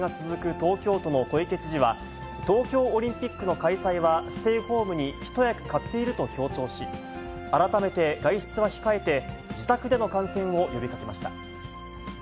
東京都の小池知事は、東京オリンピックの開催はステイホームに一役買っていると強調し、改めて外出は控えて、自宅での観戦を呼びかけました。